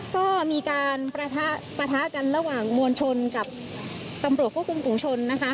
ก็มีการประทะปะทะกันระหว่างมวลชนกับตำรวจควบคุมฝุงชนนะคะ